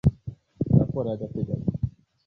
Raporo y ‘agateganyo.